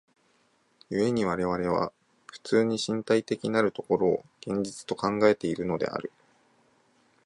故に我々は普通に身体的なる所を現実と考えているのである。